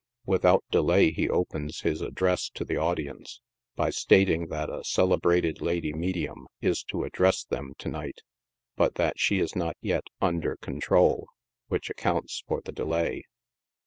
Without delay he opens his address to the audience by stating that a celebrated lady medium is to address them to night, but that she is not yet " under control," which accounts for the delay.